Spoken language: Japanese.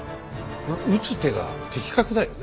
打つ手が的確だよね。